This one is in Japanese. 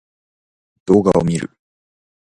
動画を見る